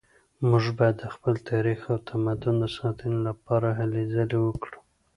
موږ باید د خپل تاریخ او تمدن د ساتنې لپاره هلې ځلې وکړو